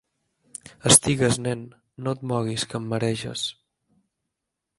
Estigues, nen: no et moguis, que em mareges.